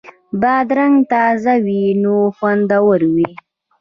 بادرنګ تازه وي نو خوندور وي.